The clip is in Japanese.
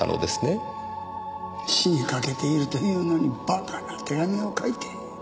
死にかけているというのに馬鹿な手紙を書いて。